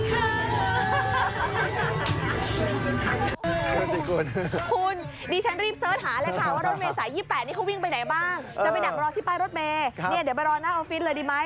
จะไปดักรอที่ป้ายรถเมย์เดี๋ยวไปรอหน้าออฟฟิศเลยดีไหม